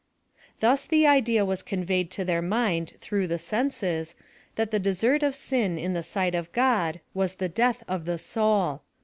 Thus the idea was conveyed to their mind through the senses, that the desert of sin in tlie siglit of God was the death of the soul.